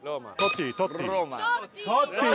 トッティ！